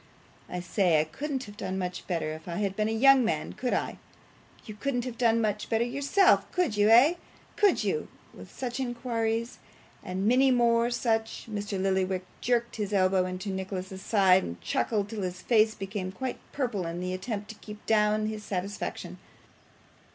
I say, I couldn't have done much better if I had been a young man, could I? You couldn't have done much better yourself, could you eh could you?' With such inquires, and many more such, Mr. Lillyvick jerked his elbow into Nicholas's side, and chuckled till his face became quite purple in the attempt to keep down his satisfaction.